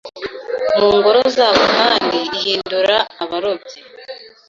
mu ngoro zabo Kandi ihindura abarobyi